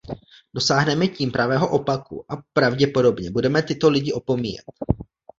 Dosáhneme tím pravého opaku a pravděpodobně budeme tyto lidi opomíjet.